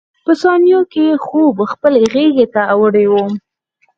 په ثانیو کې خوب خپلې غېږې ته وړی وم.